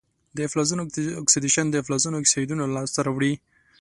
د فلزونو اکسیدیشن د فلزونو اکسایدونه لاسته راوړي.